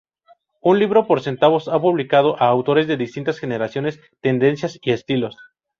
Un libro por centavos ha publicado a autores de distintas generaciones, tendencias y estilos.